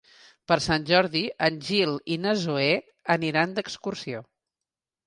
Per Sant Jordi en Gil i na Zoè aniran d'excursió.